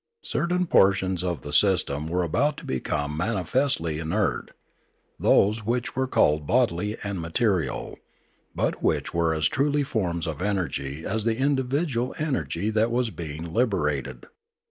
Certain portions of the system were about to become manifestly inert, those which were called bodily and material, but which were as truly forms of energy as the individual energy that was being liberated.